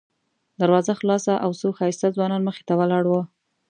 دروازه خلاصه او څو ښایسته ځوانان مخې ته ولاړ وو.